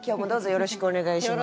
よろしくお願いします。